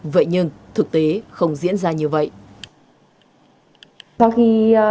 vậy nhưng thực tế không diễn ra như vậy